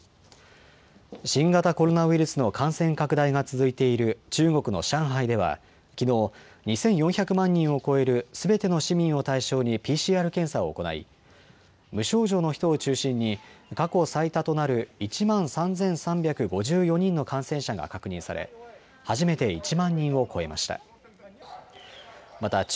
新型コロナウイルスの感染拡大が続いている中国の上海ではきのう、２４００万人を超えるすべての市民を対象にＰＣＲ検査を行い、無症状の人を中心に過去最多となる１万３３５４人の感染者が確認され初めて１万人を超えました。